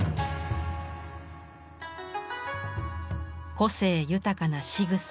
個性豊かなしぐさや表情。